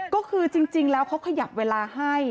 ก็คือจริงแล้วเขาขยับเวลาให้